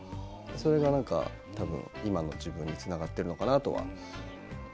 それが今の自分につながっているのかなとは思っています。